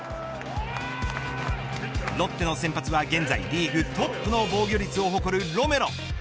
ロッテの先発は現在リーグトップの防御率を誇るロメロ。